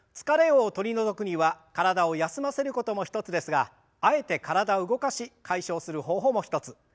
疲れを取り除くには体を休ませることも一つですがあえて体を動かし解消する方法も一つ。